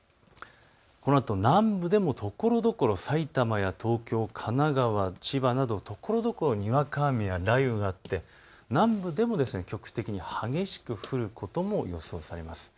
このあと南部でもところどころ埼玉や東京、神奈川、千葉などところどころにわか雨や雷雨があって南部でも局地的に激しく降ることも予想されます。